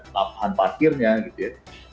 lampahan parkirnya gitu ya